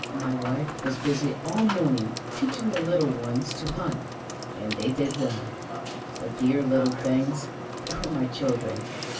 My wife was busy all the morning, teaching the little ones to hunt, and they did well, the dear little things — they were my children.